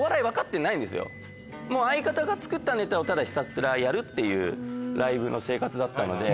相方が作ったネタをひたすらやるというライブの生活だった。